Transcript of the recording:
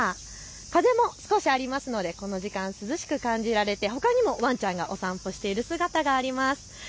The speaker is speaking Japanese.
風も少しありますのでこの時間、涼しく感じられてほかにもワンちゃんのお散歩してる姿、あります。